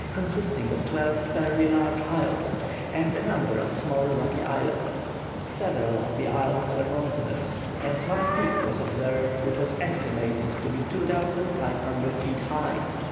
consisting of twelve fairly large isles, and a number of small rocky islets. Several of the isles were mountainous, and one peak was observed which was estimated to be 2500 feet high.